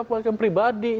itu wakil pribadi